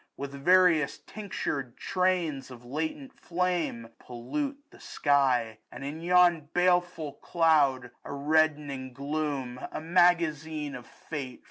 With various tinctur'd trains of latent flame, mo Pollute the sky j and in yon baleful cloud, A reddening gloom, a magazine of fate.